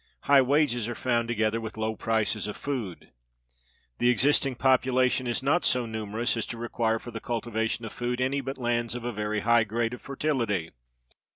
High wages are found together with low prices of food. The existing population is not so numerous as to require for the cultivation of food any but lands of a very high grade of fertility.